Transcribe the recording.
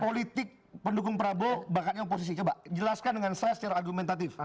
politik pendukung prabowo bakatnya oposisi coba jelaskan dengan saya secara argumentatif